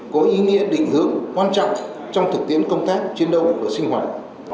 có ý nghĩa định hướng quan trọng trong thực tiễn công tác chiến đấu và sinh hoạt